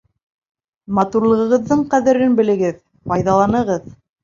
Матурлығығыҙҙың ҡәҙерен белегеҙ, файҙаланығыҙ!